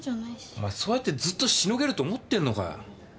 お前そうやってずっとしのげると思ってんのかよ？